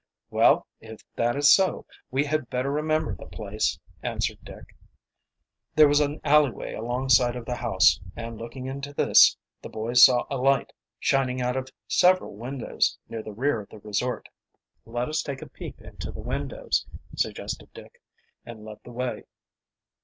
"Well, if that is so we had better remember the place," answered Dick. There was an alleyway alongside of the house, and looking into this the boys saw a light shining out of several windows near the rear of the resort. "Let us take a peep into the windows," suggested Dick, and led the way.